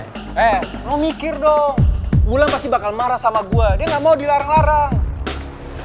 eh lo mikir dong bulan pasti bakal marah sama gue dia gak mau dilarang larang